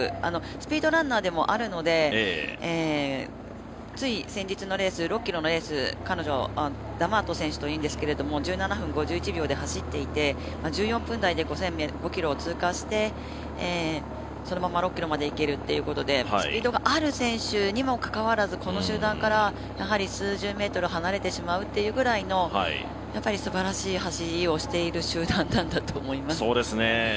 スピードランナーでもあるのでつい先日の６ｋｍのレースダマート選手というんですけど１７分５１秒で走っていて１４分台で５ｋｍを通過して、そのまま６ｋｍいけるということでスピードがある選手にもかかわらず、この集団から数十メートル離れてしまうというぐらいのすばらしい走りをしている集団なんだと思います。